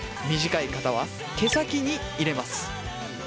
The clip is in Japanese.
短い方は毛先に入れます。